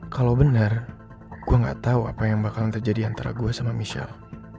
kalau benar gue gak tau apa yang bakalan terjadi antara gue sama michelle